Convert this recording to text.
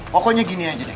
pokoknya gini aja deh